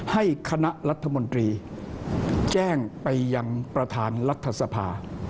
ให้คณะรัฐมนตรีแจ้งไปยังประธานรัฐสภา